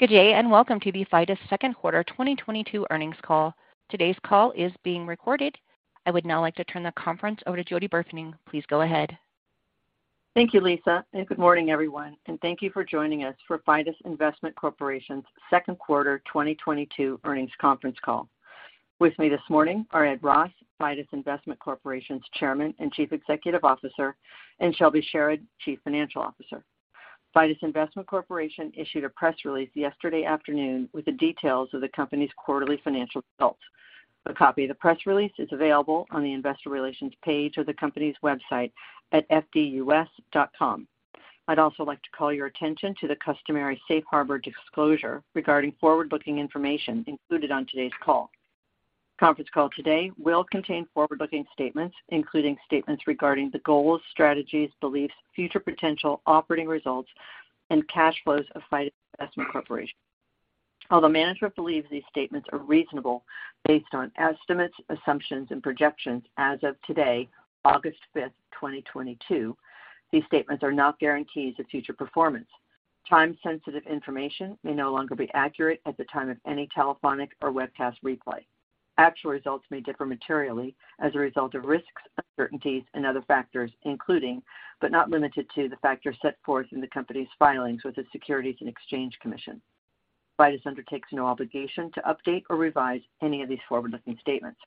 Good day, and welcome to the Fidus second quarter 2022 earnings call. Today's call is being recorded. I would now like to turn the conference over to Jody Burfening. Please go ahead. Thank you, Lisa, and good morning, everyone, and thank you for joining us for Fidus Investment Corporation's second quarter 2022 earnings conference call. With me this morning are Ed Ross, Fidus Investment Corporation's Chairman and Chief Executive Officer, and Shelby Sherard, Chief Financial Officer. Fidus Investment Corporation issued a press release yesterday afternoon with the details of the company's quarterly financial results. A copy of the press release is available on the investor relations page of the company's website at fidusinvestment.com. I'd also like to call your attention to the customary safe harbor disclosure regarding forward-looking information included on today's call. Conference call today will contain forward-looking statements, including statements regarding the goals, strategies, beliefs, future potential operating results, and cash flows of Fidus Investment Corporation. Although management believes these statements are reasonable based on estimates, assumptions, and projections as of today, August 5th, 2022, these statements are not guarantees of future performance. Time-sensitive information may no longer be accurate at the time of any telephonic or webcast replay. Actual results may differ materially as a result of risks, uncertainties and other factors, including, but not limited to, the factors set forth in the Company's filings with the Securities and Exchange Commission. Fidus undertakes no obligation to update or revise any of these forward-looking statements.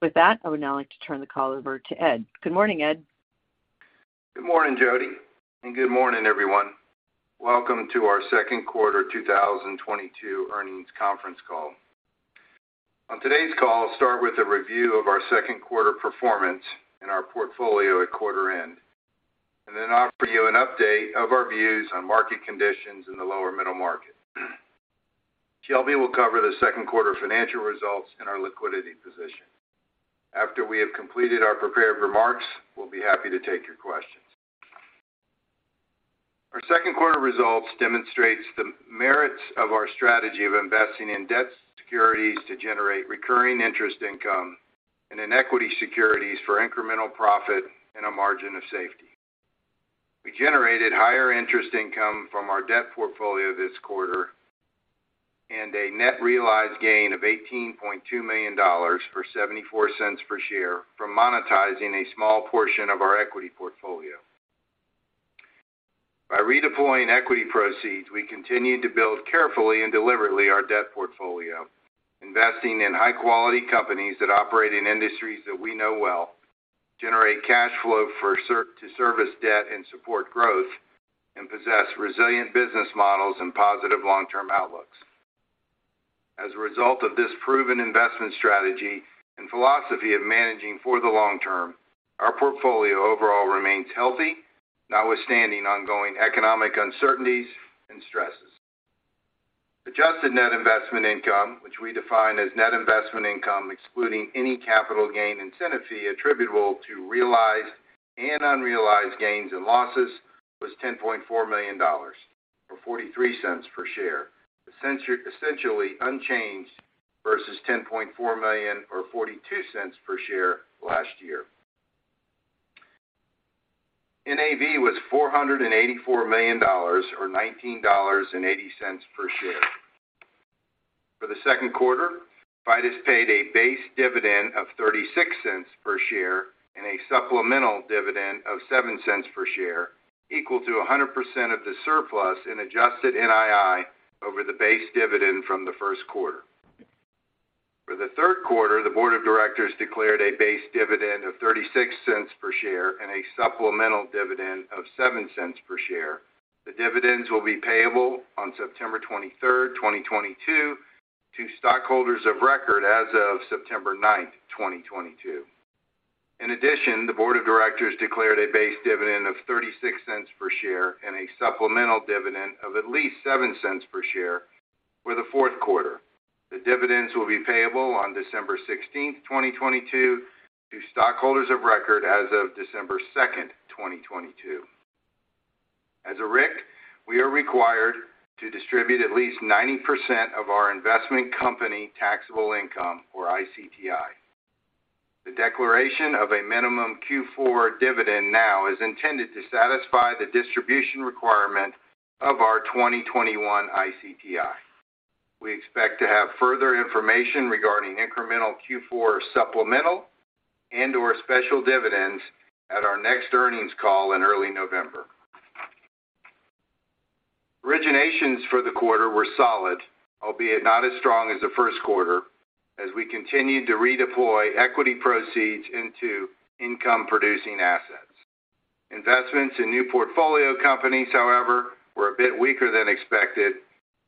With that, I would now like to turn the call over to Ed Ross. Good morning, Ed Ross. Good morning, Jody, and good morning, everyone. Welcome to our second quarter 2022 earnings conference call. On today's call, I'll start with a review of our second quarter performance in our portfolio at quarter end, and then offer you an update of our views on market conditions in the lower middle market. Shelby will cover the second quarter financial results and our liquidity position. After we have completed our prepared remarks, we'll be happy to take your questions. Our second quarter results demonstrates the merits of our strategy of investing in debt securities to generate recurring interest income and in equity securities for incremental profit and a margin of safety. We generated higher interest income from our debt portfolio this quarter, and a net realized gain of $18.2 million or $0.74 per share from monetizing a small portion of our equity portfolio. By redeploying equity proceeds, we continued to build carefully and deliberately our debt portfolio, investing in high-quality companies that operate in industries that we know well, generate cash flow to service debt and support growth, and possess resilient business models and positive long-term outlooks. As a result of this proven investment strategy and philosophy of managing for the long term, our portfolio overall remains healthy, notwithstanding ongoing economic uncertainties and stresses. Adjusted Net Investment Income, which we define as net investment income, excluding any capital gain incentive fee attributable to realized and unrealized gains and losses, was $10.4 million, or $0.43 per share, essentially unchanged versus $10.4 million or $0.42 per share last year. NAV was $484 million or $19.80 per share. For the second quarter, Fidus paid a base dividend of $0.36 per share and a supplemental dividend of $0.07 per share, equal to 100% of the surplus in adjusted NII over the base dividend from the first quarter. For the third quarter, the board of directors declared a base dividend of $0.36 per share and a supplemental dividend of $0.07 per share. The dividends will be payable on September 23, 2022 to stockholders of record as of September 9, 2022. In addition, the board of directors declared a base dividend of $0.36 per share and a supplemental dividend of at least $0.07 per share for the fourth quarter. The dividends will be payable on December 16, 2022 to stockholders of record as of December 2, 2022. As a RIC, we are required to distribute at least 90% of our investment company taxable income, or ICTI. The declaration of a minimum Q4 dividend now is intended to satisfy the distribution requirement of our 2021 ICTI. We expect to have further information regarding incremental Q4 supplemental and/or special dividends at our next earnings call in early November. Originations for the quarter were solid, albeit not as strong as the first quarter, as we continued to redeploy equity proceeds into income-producing assets. Investments in new portfolio companies, however, were a bit weaker than expected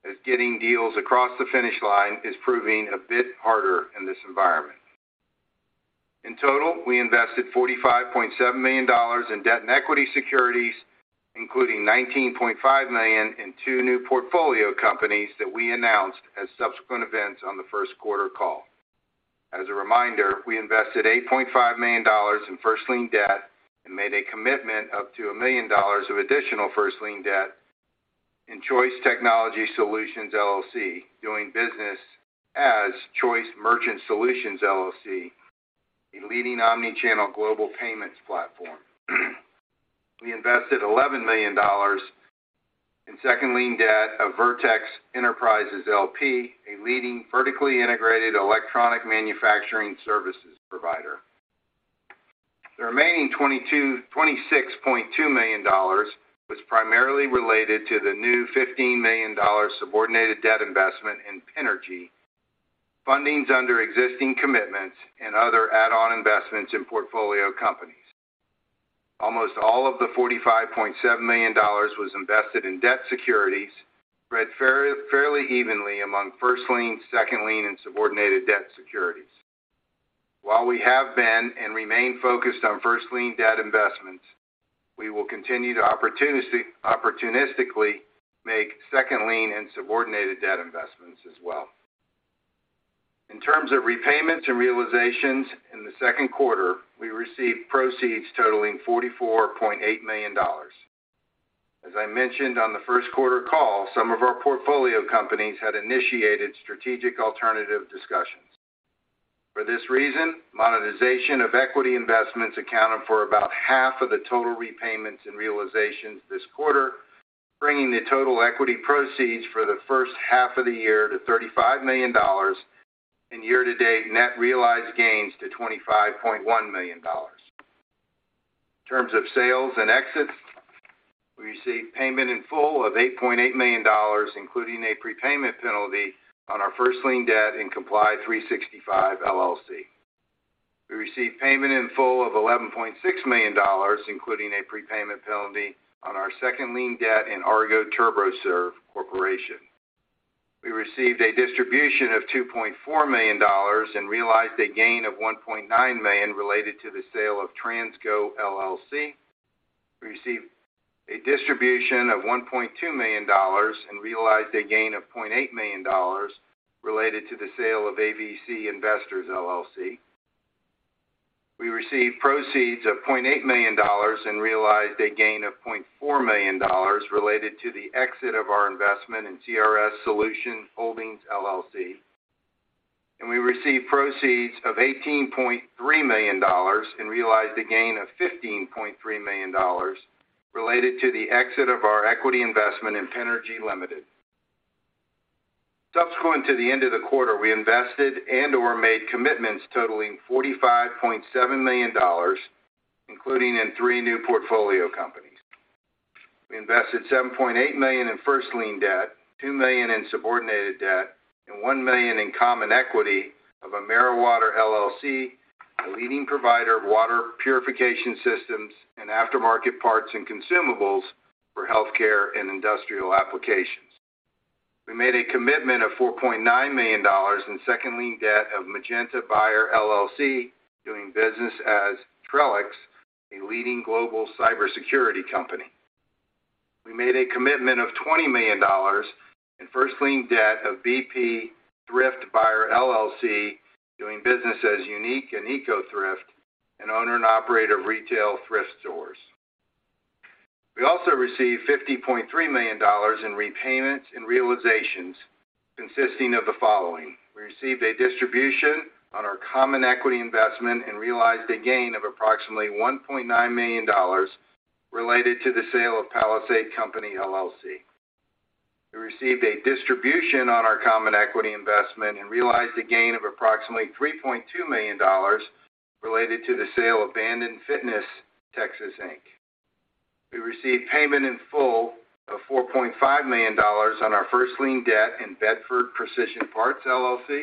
as getting deals across the finish line is proving a bit harder in this environment. In total, we invested $45.7 million in debt and equity securities, including $19.5 million in two new portfolio companies that we announced as subsequent events on the first quarter call. As a reminder, we invested $8.5 million in first lien debt and made a commitment up to $1 million of additional first lien debt in Choice Technology Solutions, LLC, doing business as Choice Merchant Solutions, LLC, a leading omni-channel global payments platform. We invested $11 million in second lien debt of Vertex Enterprises, Inc., a leading vertically integrated electronic manufacturing services provider. The remaining $26.2 million was primarily related to the new $15 million subordinated debt investment in Penergy, fundings under existing commitments and other add-on investments in portfolio companies. Almost all of the $45.7 million was invested in debt securities spread fairly evenly among first lien, second lien, and subordinated debt securities. While we have been and remain focused on first lien debt investments, we will continue to opportunistically make second lien and subordinated debt investments as well. In terms of repayments and realizations, in the second quarter, we received proceeds totaling $44.8 million. As I mentioned on the first quarter call, some of our portfolio companies had initiated strategic alternative discussions. For this reason, monetization of equity investments accounted for about half of the total repayments and realizations this quarter, bringing the total equity proceeds for the first half of the year to $35 million and year-to-date net realized gains to $25.1 million. In terms of sales and exits, we received payment in full of $8.8 million, including a prepayment penalty on our first lien debt in Comply365, LLC. We received payment in full of $11.6 million, including a prepayment penalty on our second lien debt in Argo Turboserve Corporation. We received a distribution of $2.4 million and realized a gain of $1.9 million related to the sale of TransGo, LLC. We received a distribution of $1.2 million and realized a gain of $0.8 million related to the sale of AVC Investors, LLC. We received proceeds of $0.8 million and realized a gain of $0.4 million related to the exit of our investment in CRS Solutions Holdings, LLC. We received proceeds of $18.3 million and realized a gain of $15.3 million related to the exit of our equity investment in Penergy Limited. Subsequent to the end of the quarter, we invested and/or made commitments totaling $45.7 million, including in three new portfolio companies. We invested $7.8 million in first lien debt, $2 million in subordinated debt, and $1 million in common equity of AmeriWater LLC, a leading provider of water purification systems and aftermarket parts and consumables for healthcare and industrial applications. We made a commitment of $4.9 million in second lien debt of Magenta Buyer LLC, doing business as Trellix, a leading global cybersecurity company. We made a commitment of $20 million in first lien debt of BP Thrift Buyer LLC, doing business as myUnique and EcoThrift, an owner and operator of retail thrift stores. We also received $50.3 million in repayments and realizations, consisting of the following. We received a distribution on our common equity investment and realized a gain of approximately $1.9 million related to the sale of Palisade Company LLC. We received a distribution on our common equity investment and realized a gain of approximately $3.2 million related to the sale of Bandon Fitness Texas Inc. We received payment in full of $4.5 million on our first lien debt in Bedford Precision Parts LLC.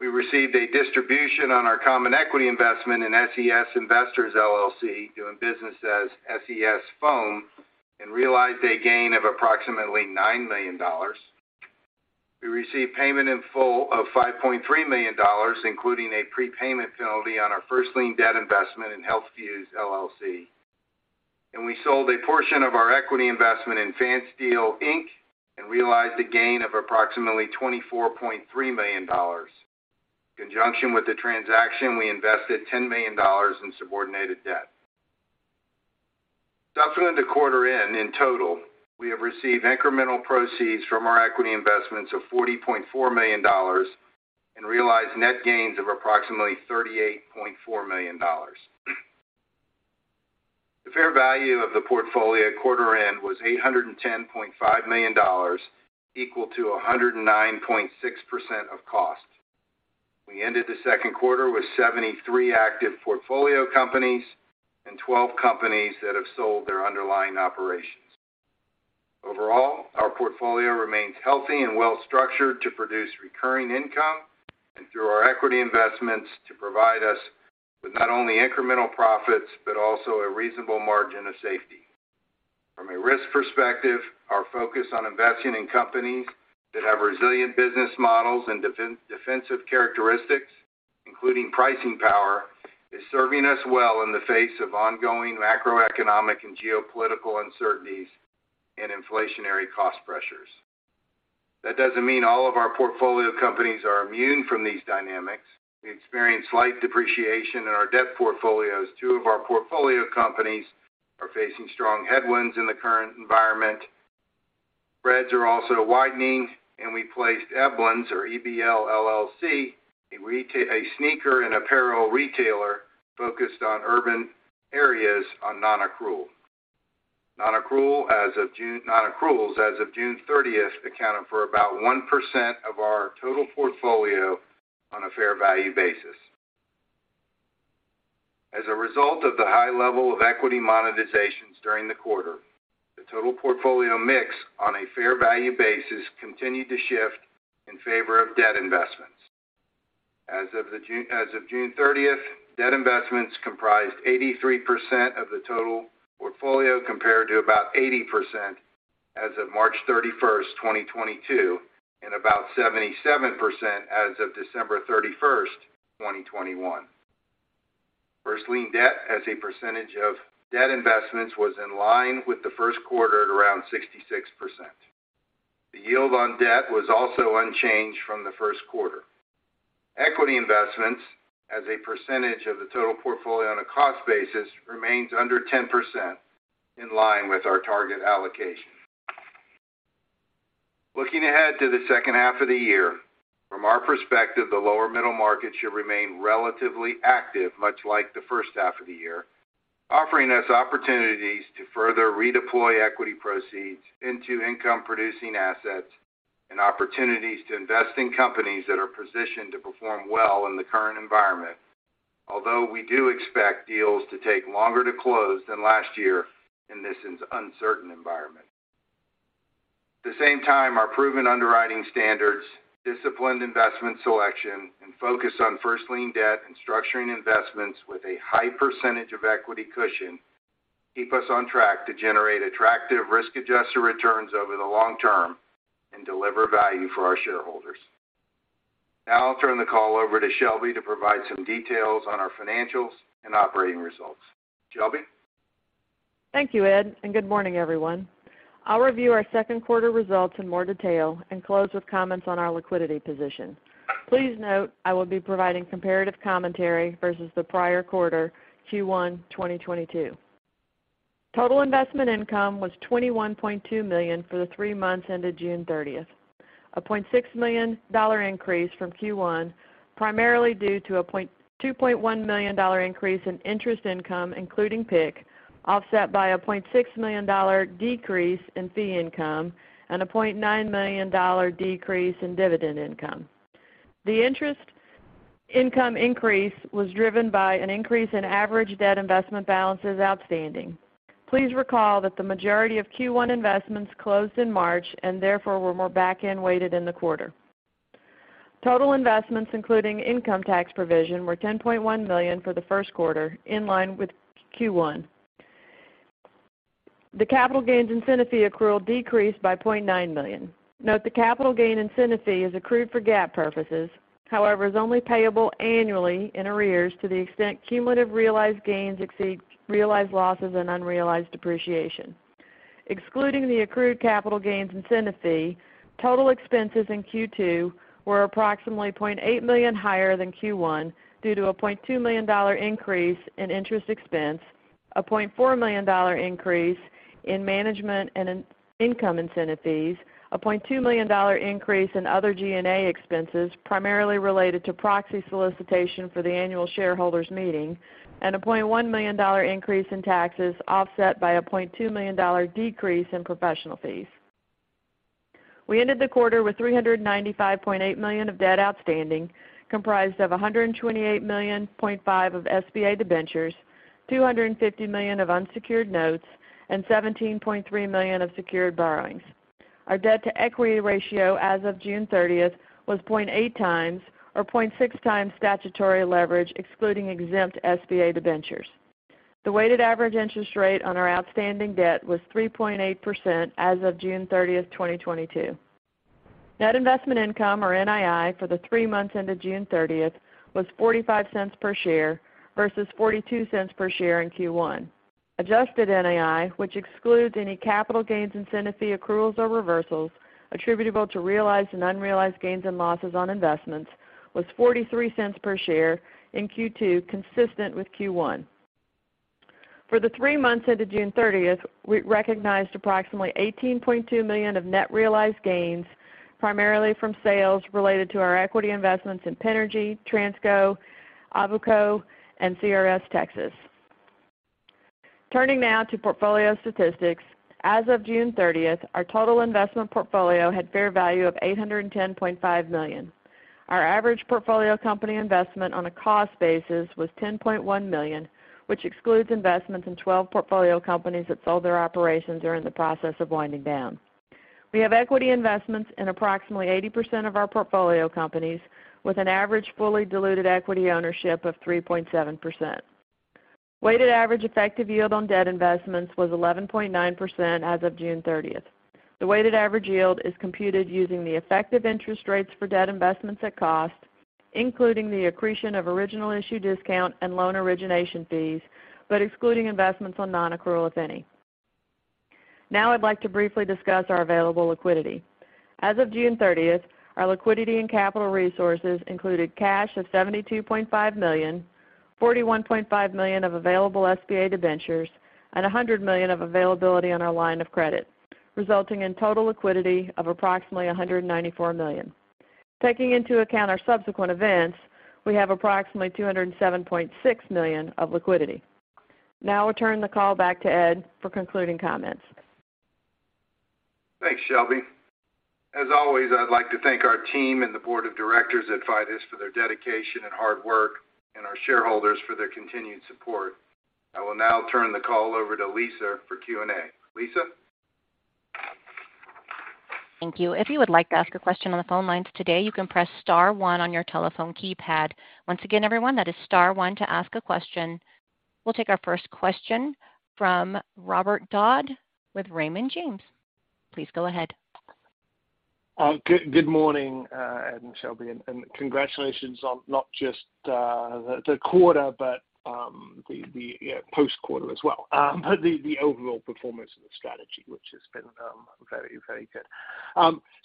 We received a distribution on our common equity investment in SES Investors LLC, doing business as SES Foam, and realized a gain of approximately $9 million. We received payment in full of $5.3 million, including a prepayment penalty on our first lien debt investment in Healthfuse LLC. We sold a portion of our equity investment in Fansteel Inc. Realized a gain of approximately $24.3 million. In conjunction with the transaction, we invested $10 million in subordinated debt. Subsequent to quarter end, in total, we have received incremental proceeds from our equity investments of $40.4 million and realized net gains of approximately $38.4 million. The fair value of the portfolio at quarter end was $810.5 million, equal to 109.6% of cost. We ended the second quarter with 73 active portfolio companies and 12 companies that have sold their underlying operations. Overall, our portfolio remains healthy and well-structured to produce recurring income and through our equity investments to provide us with not only incremental profits, but also a reasonable margin of safety. From a risk perspective, our focus on investing in companies that have resilient business models and defensive characteristics, including pricing power, is serving us well in the face of ongoing macroeconomic and geopolitical uncertainties and inflationary cost pressures. That doesn't mean all of our portfolio companies are immune from these dynamics. We experienced slight depreciation in our debt portfolios. Two of our portfolio companies are facing strong headwinds in the current environment. Spreads are also widening, and we placed Eblens or EBL LLC, a sneaker and apparel retailer focused on urban areas, on non-accrual. Non-accruals as of June 30th accounted for about 1% of our total portfolio on a fair value basis. As a result of the high level of equity monetizations during the quarter, the total portfolio mix on a fair value basis continued to shift in favor of debt investments. As of June 30th, debt investments comprised 83% of the total portfolio, compared to about 80% as of March 31st, 2022, and about 77% as of December 31st, 2021. First lien debt as a percentage of debt investments was in line with the first quarter at around 66%. The yield on debt was also unchanged from the first quarter. Equity investments as a percentage of the total portfolio on a cost basis remains under 10% in line with our target allocation. Looking ahead to the second half of the year, from our perspective, the lower middle market should remain relatively active, much like the first half of the year, offering us opportunities to further redeploy equity proceeds into income producing assets and opportunities to invest in companies that are positioned to perform well in the current environment. Although we do expect deals to take longer to close than last year in this uncertain environment. At the same time, our proven underwriting standards, disciplined investment selection, and focus on first lien debt and structuring investments with a high percentage of equity cushion keep us on track to generate attractive risk-adjusted returns over the long term and deliver value for our shareholders. Now I'll turn the call over to Shelby to provide some details on our financials and operating results. Shelby. Thank you, Ed, and good morning, everyone. I'll review our second quarter results in more detail and close with comments on our liquidity position. Please note, I will be providing comparative commentary versus the prior quarter, Q1 2022. Total investment income was $21.2 million for the three months ended June 30th, a $0.6 million increase from Q1, primarily due to a $2.1 million increase in interest income, including PIK, offset by a $0.6 million decrease in fee income and a $0.9 million decrease in dividend income. The interest income increase was driven by an increase in average debt investment balances outstanding. Please recall that the majority of Q1 investments closed in March and therefore were more back-end weighted in the quarter. Total expenses, including income tax provision, were $10.1 million for the first quarter, in line with Q1. The capital gains incentive fee accrual decreased by $0.9 million. Note the capital gain incentive fee is accrued for GAAP purposes, however, is only payable annually in arrears to the extent cumulative realized gains exceed realized losses and unrealized depreciation. Excluding the accrued capital gains incentive fee, total expenses in Q2 were approximately $0.8 million higher than Q1 due to a $0.2 million increase in interest expense, a $0.4 million increase in management and incentive fees, a $0.2 million increase in other G&A expenses primarily related to proxy solicitation for the annual shareholders meeting, and a $0.1 million increase in taxes, offset by a $0.2 million decrease in professional fees. We ended the quarter with $395.8 million of debt outstanding, comprised of $128.5 million of SBA debentures, $250 million of unsecured notes, and $17.3 million of secured borrowings. Our debt to equity ratio as of June 30th was 0.8x or 0.6x statutory leverage, excluding exempt SBA debentures. The weighted average interest rate on our outstanding debt was 3.8% as of June 30th, 2022. Net investment income or NII for the three months ended June 30th was $0.45 per share versus $0.42 per share in Q1. Adjusted NII, which excludes any capital gains incentive fee accruals or reversals attributable to realized and unrealized gains and losses on investments, was $0.43 per share in Q2, consistent with Q1. For the three months ended June 30th, we recognized approximately $18.2 million of net realized gains, primarily from sales related to our equity investments in Penergy, TransGo, Auveco and CRS Solutions Holdings, LLC. Turning now to portfolio statistics. As of June 30th, our total investment portfolio had fair value of $810.5 million. Our average portfolio company investment on a cost basis was $10.1 million, which excludes investments in 12 portfolio companies that sold their operations or are in the process of winding down. We have equity investments in approximately 80% of our portfolio companies, with an average fully diluted equity ownership of 3.7%. Weighted average effective yield on debt investments was 11.9% as of June 30th. The weighted average yield is computed using the effective interest rates for debt investments at cost, including the accretion of original issue discount and loan origination fees, but excluding investments on non-accrual, if any. Now I'd like to briefly discuss our available liquidity. As of June 30th, our liquidity and capital resources included cash of $72.5 million, $41.5 million of available SBA debentures and $100 million of availability on our line of credit, resulting in total liquidity of approximately $194 million. Taking into account our subsequent events, we have approximately $207.6 million of liquidity. Now I'll turn the call back to Ed for concluding comments. Thanks, Shelby. As always, I'd like to thank our team and the board of directors at Fidus for their dedication and hard work and our shareholders for their continued support. I will now turn the call over to Lisa for Q&A. Lisa. Thank you. If you would like to ask a question on the phone lines today, you can press star one on your telephone keypad. Once again, everyone that is star one to ask a question. We'll take our first question from Robert Dodd with Raymond James. Please go ahead. Good morning, Ed and Shelby, and congratulations on not just the quarter, but the you know post quarter as well.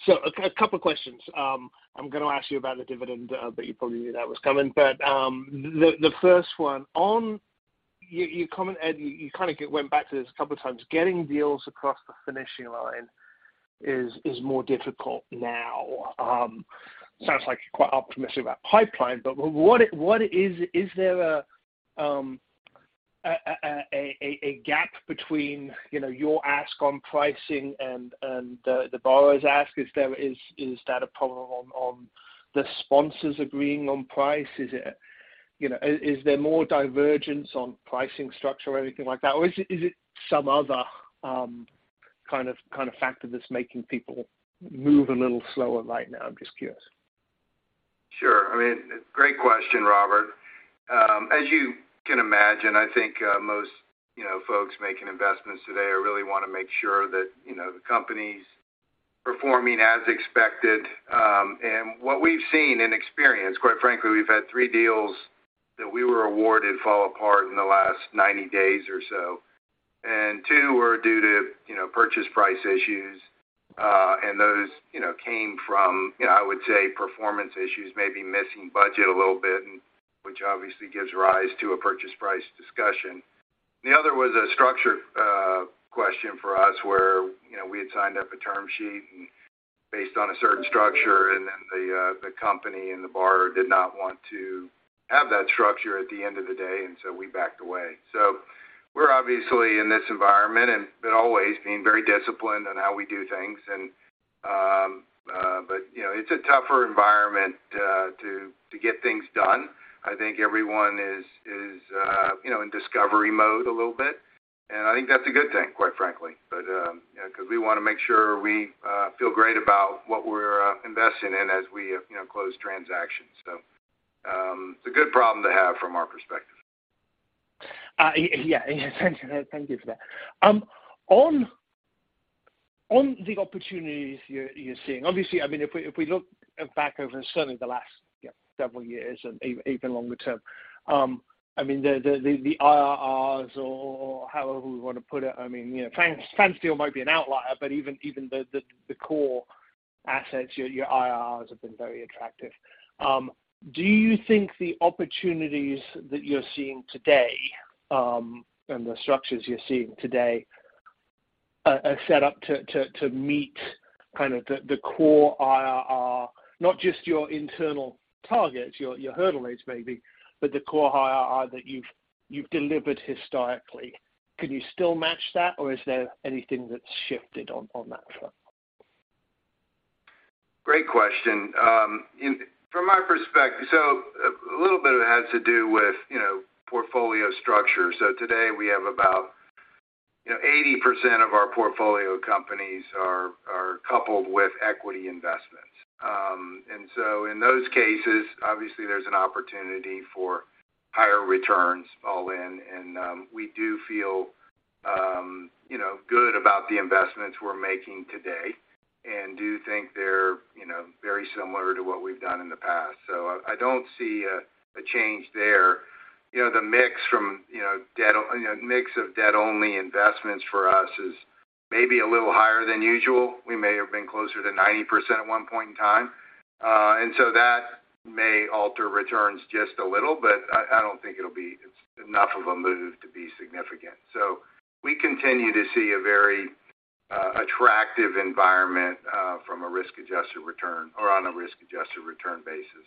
So a couple of questions. I'm gonna ask you about the dividend, but you probably knew that was coming. The first one. On your comment, Ed, you kind of went back to this a couple of times, getting deals across the finish line is more difficult now. Sounds like you're quite optimistic about pipeline, but what is. Is there a gap between you know your ask on pricing and the borrowers ask? Is that a problem on the sponsors agreeing on price? Is there more divergence on pricing structure or anything like that? Or is it some other kind of factor that's making people move a little slower right now? I'm just curious. Sure. I mean, great question, Robert. As you can imagine, I think, most, you know, folks making investments today really want to make sure that, you know, the company's performing as expected. What we've seen and experienced, quite frankly, we've had three deals that we were awarded fall apart in the last 90 days or so, and two were due to, you know, purchase price issues. Those, you know, came from, I would say, performance issues, maybe missing budget a little bit, which obviously gives rise to a purchase price discussion. The other was a structure question for us where, you know, we had signed up a term sheet and based on a certain structure, and then the company and the buyer did not want to have that structure at the end of the day, and so we backed away. We're obviously in this environment, but always being very disciplined on how we do things. You know, it's a tougher environment to get things done. I think everyone is, you know, in discovery mode a little bit, and I think that's a good thing, quite frankly. You know, 'cause we wanna make sure we feel great about what we're investing in as we, you know, close transactions. It's a good problem to have from our perspective. Yeah, thank you. Thank you for that. On the opportunities you're seeing, obviously, I mean, if we look back over certainly the last, you know, several years and even longer term, I mean, the IRRs or however we want to put it, I mean, you know, TransDigm might be an outlier, but even the core assets, your IRRs have been very attractive. Do you think the opportunities that you're seeing today and the structures you're seeing today are set up to meet kind of the core IRR, not just your internal targets, your hurdle rates maybe, but the core IRR that you've delivered historically? Could you still match that, or is there anything that's shifted on that front? Great question. From my perspective, a little bit of it has to do with, you know, portfolio structure. Today we have about, you know, 80% of our portfolio companies are coupled with equity investments. In those cases, obviously there's an opportunity for higher returns all in. We do feel, you know, good about the investments we're making today and do think they're, you know, very similar to what we've done in the past. I don't see a change there. You know, the mix of debt only investments for us is maybe a little higher than usual. We may have been closer to 90% at one point in time. That may alter returns just a little, but I don't think it's enough of a move to be significant. We continue to see a very attractive environment from a risk-adjusted return or on a risk-adjusted return basis.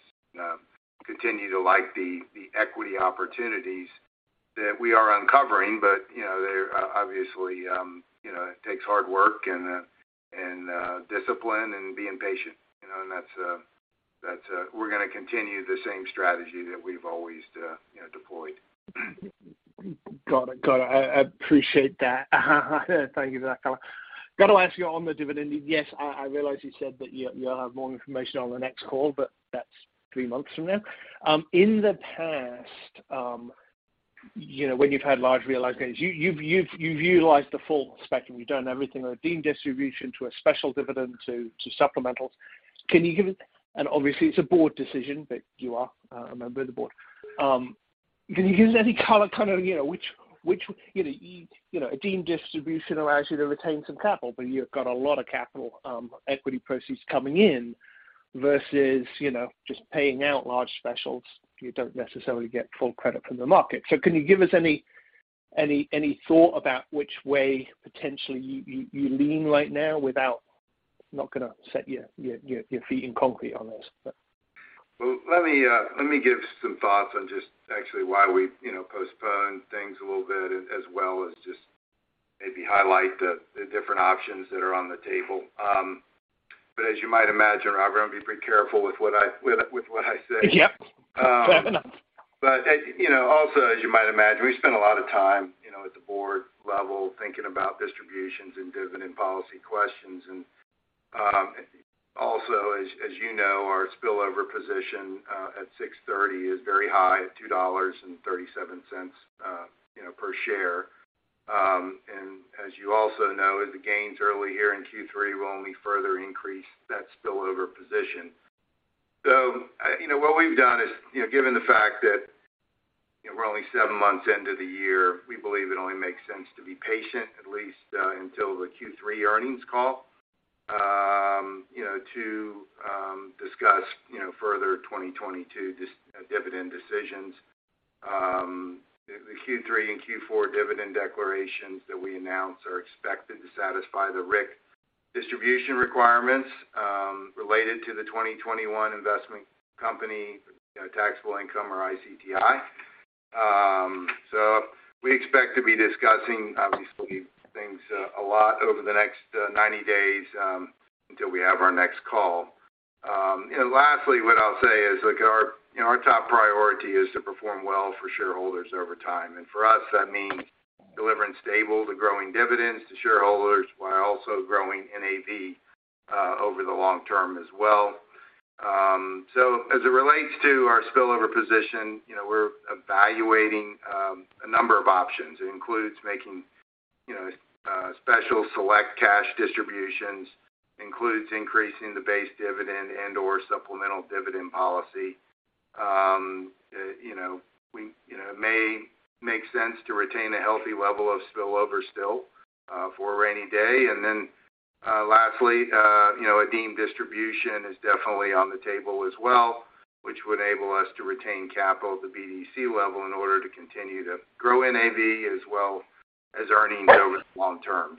Continue to like the equity opportunities that we are uncovering, but you know, they're obviously you know it takes hard work and discipline and being patient, you know, and that's. We're gonna continue the same strategy that we've always you know deployed. Got it. I appreciate that. Thank you for that color. Gotta ask you on the dividend. Yes, I realize you said that you'll have more information on the next call, but that's three months from now. In the past, you know, when you've had large realized gains, you've utilized the full spectrum. You've done everything, a deemed distribution to a special dividend to supplementals. Can you give us any color. Obviously it's a board decision, but you are a member of the board. Can you give any color kind of, you know, which a deemed distribution allows you to retain some capital, but you've got a lot of capital, equity proceeds coming in versus, you know, just paying out large specials, you don't necessarily get full credit from the market. Can you give us any thought about which way potentially you lean right now without not gonna set your feet in concrete on this, but Well, let me give some thoughts on just actually why we, you know, postponed things a little bit as well as just maybe highlight the different options that are on the table. As you might imagine, Robert, I'm gonna be pretty careful with what I say. Yep. Fair enough. Also, as you might imagine, we spend a lot of time, you know, at the board level thinking about distributions and dividend policy questions. Also, as you know, our spillover position at 6/30 is very high at $2.37, you know, per share. As you also know, the gains early here in Q3 will only further increase that spillover position. You know, what we've done is, you know, given the fact that, you know, we're only seven months into the year, we believe it only makes sense to be patient, at least, until the Q3 earnings call, you know, to discuss, you know, further 2022 dividend decisions. The Q3 and Q4 dividend declarations that we announce are expected to satisfy the RIC distribution requirements, related to the 2021 investment company, you know, taxable income or ICTI. We expect to be discussing obviously things a lot over the next 90 days, until we have our next call. You know, lastly, what I'll say is, look, our, you know, our top priority is to perform well for shareholders over time. For us, that means delivering stable to growing dividends to shareholders while also growing NAV over the long term as well. As it relates to our spillover position, you know, we're evaluating a number of options. It includes making, you know, special select cash distributions, includes increasing the base dividend and/or supplemental dividend policy. You know, it may make sense to retain a healthy level of spillover still, for a rainy day. You know, a deemed distribution is definitely on the table as well, which would enable us to retain capital at the BDC level in order to continue to grow NAV as well as earnings over the long term.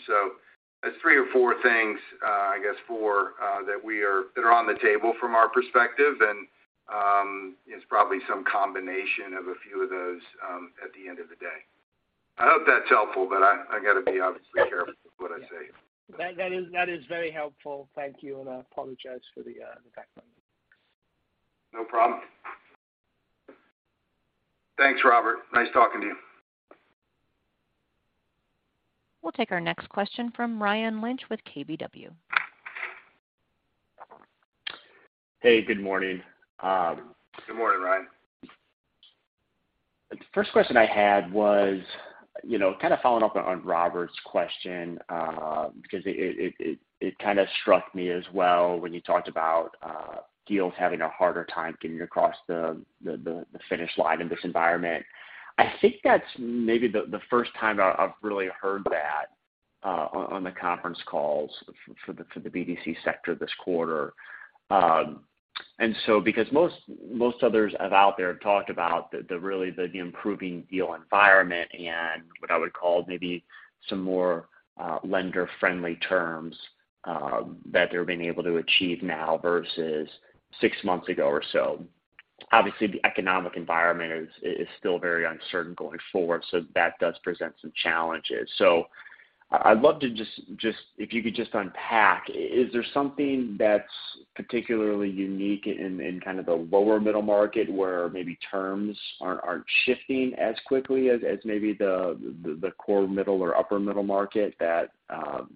That's three or four things, I guess four, that are on the table from our perspective. It's probably some combination of a few of those at the end of the day. I hope that's helpful, but I gotta be obviously careful with what I say. That is very helpful. Thank you, and I apologize for the background noise. No problem. Thanks, Robert. Nice talking to you. We'll take our next question from Ryan Lynch with KBW. Hey, good morning. Good morning, Ryan. The first question I had was, you know, kind of following up on Robert's question, because it kind of struck me as well when you talked about deals having a harder time getting across the finish line in this environment. I think that's maybe the first time I've really heard that on the conference calls for the BDC sector this quarter. Because most others have out there talked about the really improving deal environment and what I would call maybe some more lender-friendly terms that they're being able to achieve now versus six months ago or so. Obviously, the economic environment is still very uncertain going forward, so that does present some challenges. I'd love if you could just unpack, is there something that's particularly unique in kind of the lower middle market where maybe terms aren't shifting as quickly as maybe the core middle or upper middle market that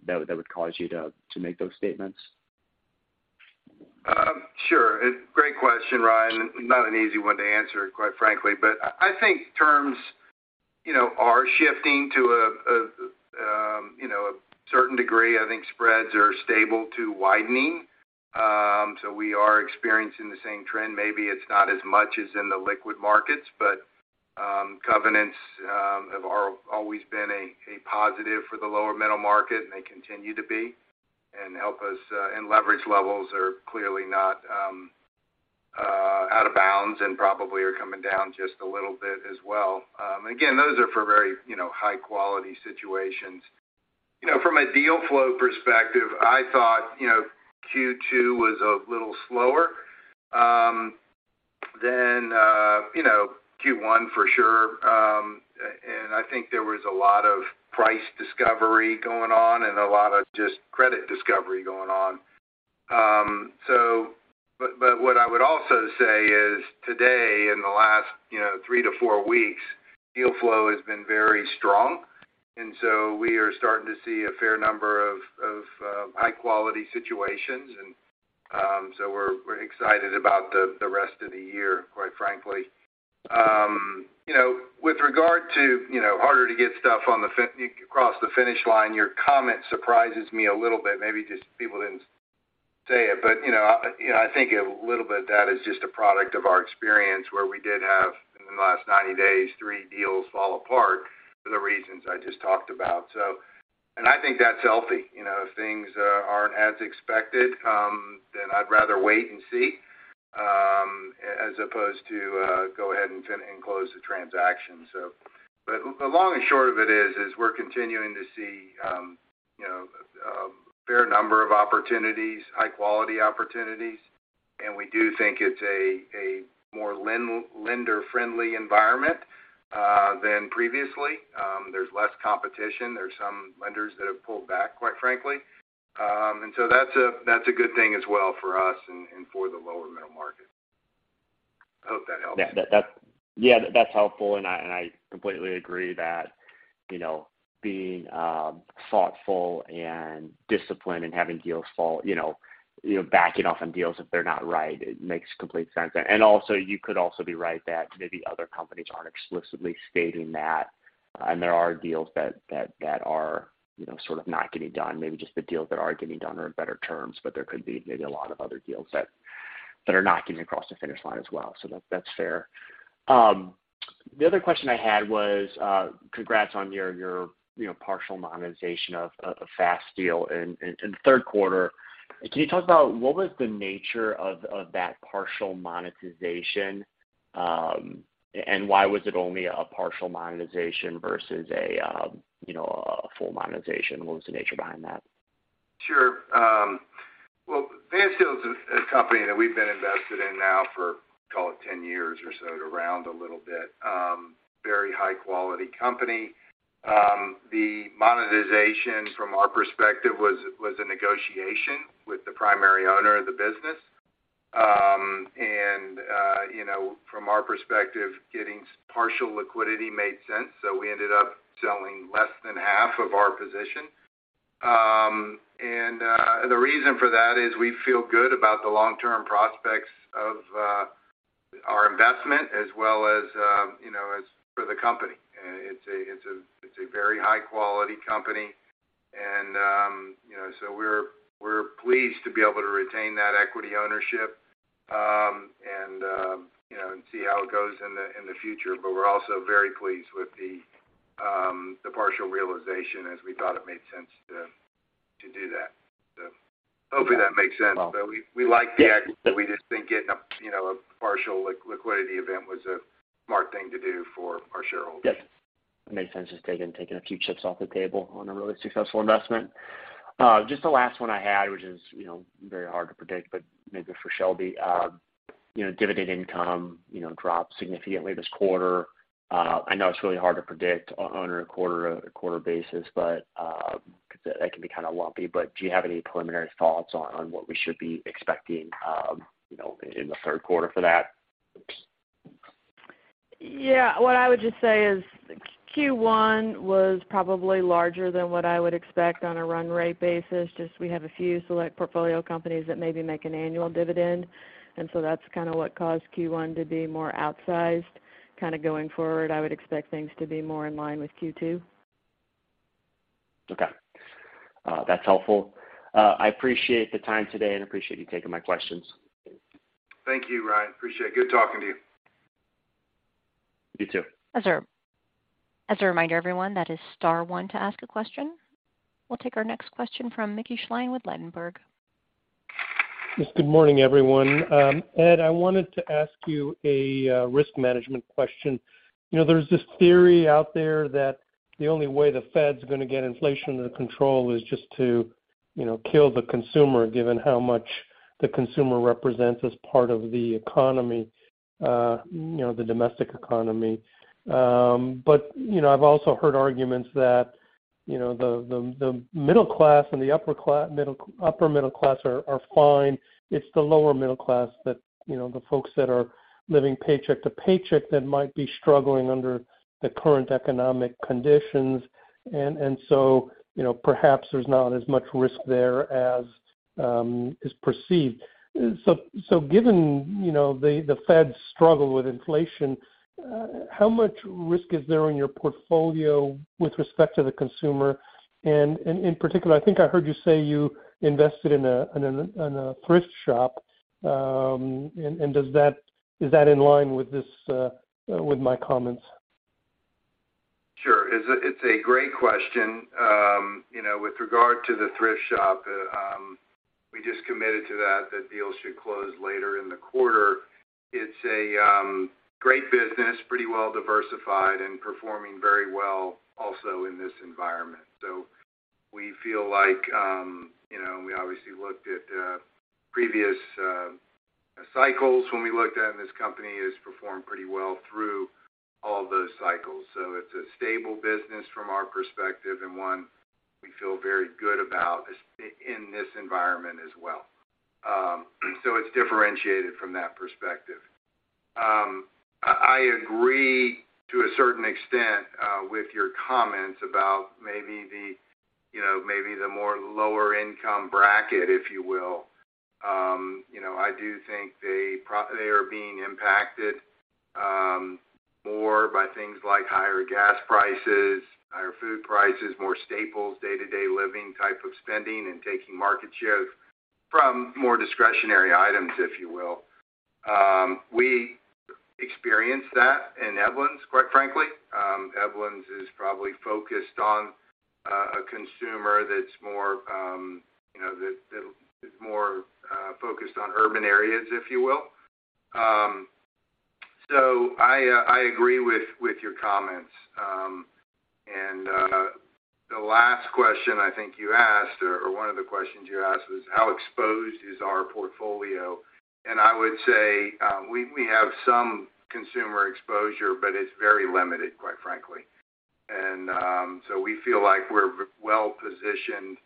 would cause you to make those statements? Sure. Great question, Ryan. Not an easy one to answer, quite frankly. I think terms, you know, are shifting to a certain degree. I think spreads are stable to widening. We are experiencing the same trend. Maybe it's not as much as in the liquid markets, but covenants have always been a positive for the lower middle market, and they continue to be and help us. Leverage levels are clearly not out of bounds and probably are coming down just a little bit as well. Again, those are for very, you know, high-quality situations. You know, from a deal flow perspective, I thought, you know, Q2 was a little slower than Q1, for sure. I think there was a lot of price discovery going on and a lot of just credit discovery going on. But what I would also say is today in the last three, four weeks, deal flow has been very strong, and so we are starting to see a fair number of high-quality situations. We're excited about the rest of the year, quite frankly. With regard to harder to get stuff across the finish line, your comment surprises me a little bit. Maybe just people didn't say it. But you know, I think a little bit of that is just a product of our experience where we did have, in the last 90 days, three deals fall apart for the reasons I just talked about. I think that's healthy. You know, if things aren't as expected, then I'd rather wait and see. As opposed to go ahead and close the transaction. The long and short of it is we're continuing to see, you know, a fair number of opportunities, high quality opportunities, and we do think it's a lender-friendly environment than previously. There's less competition. There's some lenders that have pulled back, quite frankly. That's a good thing as well for us and for the lower middle market. I hope that helps. Yeah, that's helpful, and I completely agree that, you know, being thoughtful and disciplined and having deals fall, you know, you backing off on deals if they're not right, it makes complete sense. You could also be right that maybe other companies aren't explicitly stating that, and there are deals that are, you know, sort of not getting done. Maybe just the deals that are getting done are in better terms, but there could be maybe a lot of other deals that are not getting across the finish line as well. That, that's fair. The other question I had was, congrats on your, you know, partial monetization of Fansteel in the third quarter. Can you talk about what was the nature of that partial monetization, and why was it only a partial monetization versus a, you know, a full monetization? What was the nature behind that? Sure. Well, Fansteel is a company that we've been invested in now for call it 10 years or so, around a little bit. Very high quality company. The monetization from our perspective was a negotiation with the primary owner of the business. You know, from our perspective, getting partial liquidity made sense, so we ended up selling less than half of our position. The reason for that is we feel good about the long-term prospects of our investment as well as, you know, as for the company. It's a very high quality company. You know, so we're pleased to be able to retain that equity ownership, and, you know, see how it goes in the future. We're also very pleased with the partial realization as we thought it made sense to do that. Hopefully that makes sense. Yeah. No. We like the act. We just think getting a, you know, a partial liquidity event was a smart thing to do for our shareholders. Yes. It makes sense just taking a few chips off the table on a really successful investment. Just the last one I had, which is, you know, very hard to predict, but maybe for Shelby. You know, dividend income, you know, dropped significantly this quarter. I know it's really hard to predict on a quarter basis, but 'cause that can be kinda lumpy, but do you have any preliminary thoughts on what we should be expecting, you know, in the third quarter for that? Yeah. What I would just say is Q1 was probably larger than what I would expect on a run rate basis. Just we have a few select portfolio companies that maybe make an annual dividend, and so that's kinda what caused Q1 to be more outsized. Kinda going forward, I would expect things to be more in line with Q2. Okay. That's helpful. I appreciate the time today and appreciate you taking my questions. Thank you, Ryan. Appreciate it. Good talking to you. You too. As a reminder, everyone, that is star one to ask a question. We'll take our next question from Mickey Schleien with Ladenburg Thalmann. Yes. Good morning, everyone. Ed, I wanted to ask you a risk management question. You know, there's this theory out there that the only way the Fed's gonna get inflation under control is just to, you know, kill the consumer, given how much the consumer represents as part of the economy, you know, the domestic economy. But, you know, I've also heard arguments that, you know, the middle class and the upper middle class are fine. It's the lower middle class that, you know, the folks that are living paycheck to paycheck that might be struggling under the current economic conditions. So, you know, perhaps there's not as much risk there as is perceived. Given, you know, the Fed's struggle with inflation, how much risk is there in your portfolio with respect to the consumer? In particular, I think I heard you say you invested in a thrift shop. Is that in line with this, with my comments? Sure. It's a great question. You know, with regard to the thrift shop, we just committed to that. That deal should close later in the quarter. It's a great business, pretty well diversified and performing very well also in this environment. We feel like you know, we obviously looked at previous cycles, and this company has performed pretty well through all those cycles. It's a stable business from our perspective and one we feel very good about in this environment as well. It's differentiated from that perspective. I agree to a certain extent with your comments about maybe the you know more lower income bracket, if you will. You know, I do think they are being impacted more by things like higher gas prices, higher food prices, more staples, day-to-day living type of spending and taking market shares from more discretionary items, if you will. We experienced that in Eblens, quite frankly. Eblens is probably focused on a consumer that's more, you know, that is more focused on urban areas, if you will. I agree with your comments. The last question I think you asked, or one of the questions you asked, was how exposed is our portfolio? I would say we have some consumer exposure, but it's very limited, quite frankly. We feel like we're well-positioned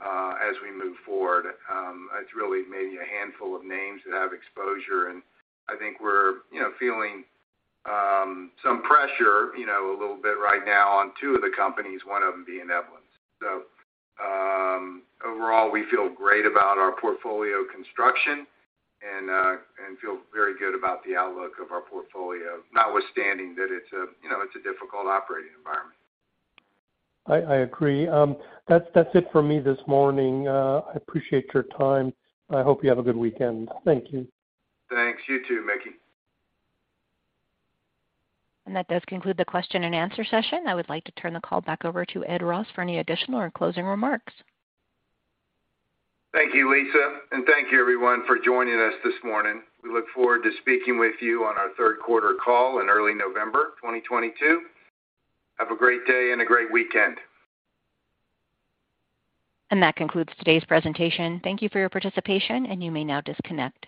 as we move forward. It's really maybe a handful of names that have exposure, and I think we're, you know, feeling some pressure, you know, a little bit right now on two of the companies, one of them being Eblens. Overall, we feel great about our portfolio construction and feel very good about the outlook of our portfolio, notwithstanding that it's a, you know, it's a difficult operating environment. I agree. That's it for me this morning. I appreciate your time. I hope you have a good weekend. Thank you. Thanks. You too, Mickey. That does conclude the question and answer session. I would like to turn the call back over to Ed Ross for any additional or closing remarks. Thank you, Lisa. Thank you everyone for joining us this morning. We look forward to speaking with you on our third quarter call in early November 2022. Have a great day and a great weekend. That concludes today's presentation. Thank you for your participation, and you may now disconnect.